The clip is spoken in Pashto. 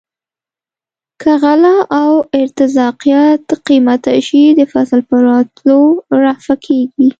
که غله او ارتزاقیات قیمته شي د فصل په راتلو رفع کیږي.